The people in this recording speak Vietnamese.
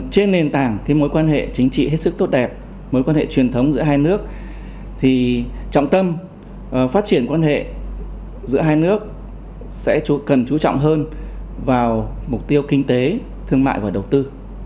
trên nền tảng mối quan hệ chính trị hết sức tốt đẹp mối quan hệ truyền thống giữa hai nước thì trọng tâm phát triển quan hệ giữa hai nước sẽ cần chú trọng hơn vào mục tiêu kinh tế thương mại và đầu tư